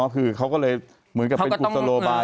อ๋อคือเค้าก็เลยเหมือนกับวีนอุตโทโลไบเอาไว้